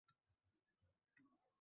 It-mushuk bo’lib yashab yurishibdi.